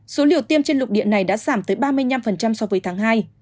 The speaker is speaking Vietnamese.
số liều tiêm trên lục địa này đã giảm tới ba mươi năm so với tháng hai